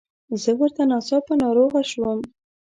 زه ورته ناڅاپه ناروغه شوم.